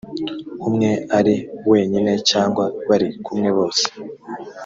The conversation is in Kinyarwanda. umwe ari wenyine cyangwa bari kumwe bose